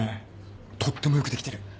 とってもよくできてる。